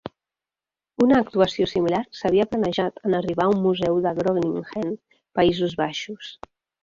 Una actuació similar s'havia planejat en arribar a un museu de Groningen, Països Baixos.